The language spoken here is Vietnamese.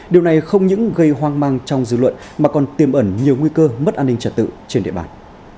điều này không những gây hoang mang trong dư luận mà còn tiêm ẩn nhiều nguy cơ mất an ninh trật tự trên địa bàn